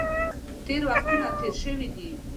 تېرې وختونه تېر شوي دي.